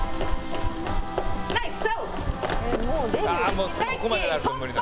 もうここまでになると無理。